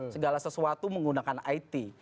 segala sesuatu menggunakan it